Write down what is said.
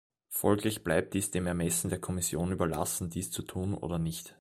Folglich bleibt dies dem Ermessen der Kommission überlassen, dies zu tun oder nicht.